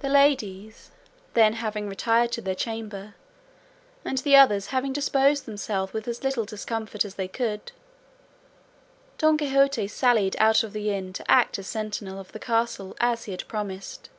The ladies, then, having retired to their chamber, and the others having disposed themselves with as little discomfort as they could, Don Quixote sallied out of the inn to act as sentinel of the castle as he had promised.